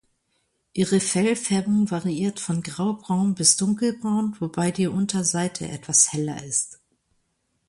Ihre Fellfärbung variiert von graubraun bis dunkelbraun, wobei die Unterseite etwas heller ist.